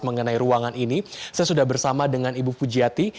mengenai ruangan ini saya sudah bersama dengan ibu pujiati